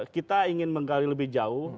kita ingin menggali lebih jauh